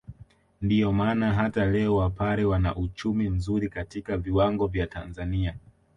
Ndio maana hata leo wapare wana uchumi mzuri katika viwango vya Tanzania